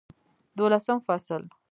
دولسم فصل